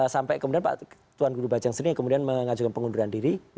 sampai kemudian pak tuan guru bajang sendiri kemudian mengajukan pengunduran diri